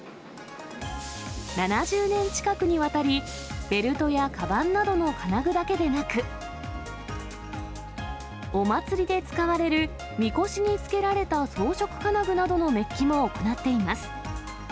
７０年近くにわたり、ベルトやかばんなどの金具だけでなく、お祭りで使われるみこしにつけられた装飾金具などのメッキも行っています。